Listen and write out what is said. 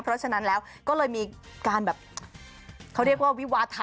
เพราะฉะนั้นแล้วก็เลยมีการแบบเขาเรียกว่าวิวาทะ